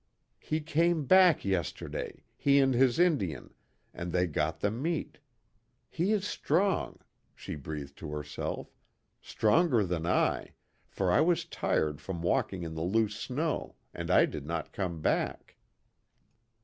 "He came back yesterday he and his Indian, and they got the meat. He is strong," she breathed to herself, "Stronger than I, for I was tired from walking in the loose snow, and I did not come back."